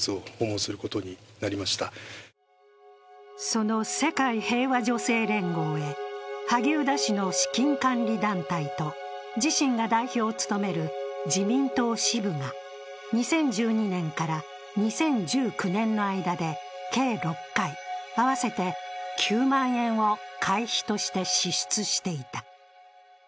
その世界平和女性連合へ萩生田氏の資金管理団体と自身が代表を務める自民党支部が２０１２年から２０１９年の間で計６回合わせて９万円を会費として支出していた。